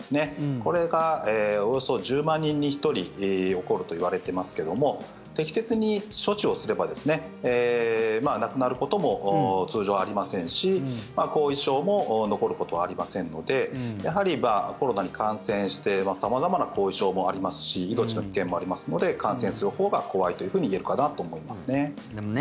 これがおよそ１０万人に１人起こるといわれていますけども適切に処置をすれば亡くなることも通常ありませんし後遺症も残ることはありませんのでやはり、コロナに感染して様々な後遺症もありますし命の危険もありますので感染するほうが怖いというふうに言えるかなと思いますね。